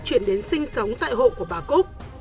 chuyển đến sinh sống tại hộ của bà cúc